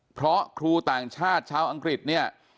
เพราะครูต่างชาติชาวอังกฤษเนี่ย